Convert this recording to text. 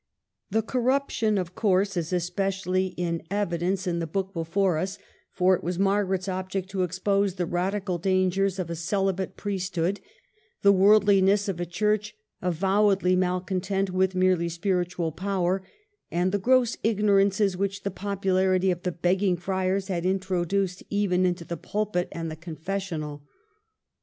The corruption, of course, is especially in THE ''HEPTAMERONr 245 evidence In the book before us ; for it was Mar garet's object to expose the radical dangers of a ceHbate priesthood, the worldHness of a Church avowedly malcontent with merely spiritual power, and the gross ignorances which the popularity of the begging friars had introduced even into the pulpit and the confessional.